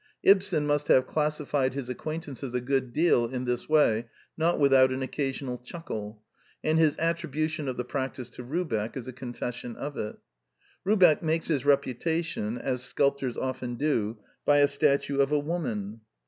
Ibsen must have classified his acquaintances a good deal in this way, not without an occasional chuckle; and his attribution of the practice to Rubeck is a con fession of it. Rubeck makes his reputation, as sculptors often do, by a statue of a woman.